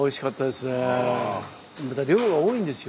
スタジオまた量が多いんですよ。